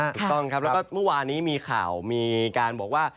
ถูกต้องครับแล้วก็เมื่อวานนี้มีข่าวมีการบอกว่า